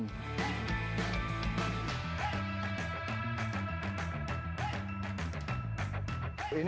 ini bukan dailan